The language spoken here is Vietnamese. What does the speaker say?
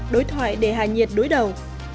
đối thoại để hạ nhiệt đối đầu